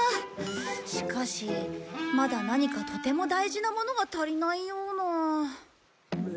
しかしまだ何かとても大事なものが足りないような。